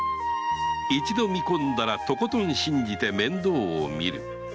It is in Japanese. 一度見込んだらとことん信じて面倒をみる